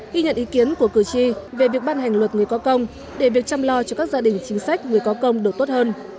ghi nhận ý kiến của cử tri về việc ban hành luật người có công để việc chăm lo cho các gia đình chính sách người có công được tốt hơn